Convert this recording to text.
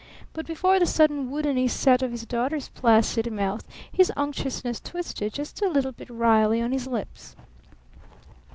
But before the sudden woodeny set of his daughter's placid mouth his unctuousness twisted just a little bit wryly on his lips.